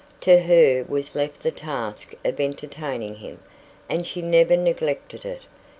To her was left the task of entertaining him, and she never neglected it.